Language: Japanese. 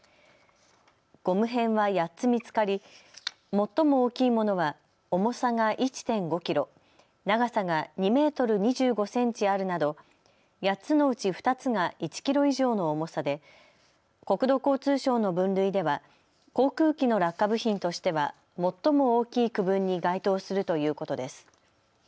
ゴム片は８つ見つかり最も大きいものは重さが１．５キロ、長さが２メートル２５センチあるなど８つのうち２つが１キロ以上の重さで国土交通省の分類では航空機の落下部品としては最も大きい区分に該当するということです。